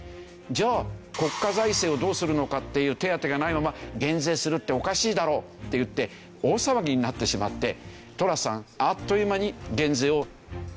「じゃあ国家財政をどうするのかっていう手当てがないまま減税するっておかしいだろ！」っていって大騒ぎになってしまってトラスさんあっという間に減税を取りやめたんですよ。